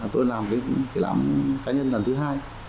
tôi làm cái triển lãm cá nhân lần thứ hai